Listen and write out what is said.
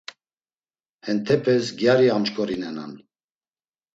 Hentepes gyari amşkorinenan.